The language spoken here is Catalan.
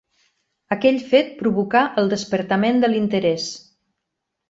Aquell fet provocà el despertament de l'interès.